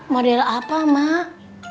model apa mak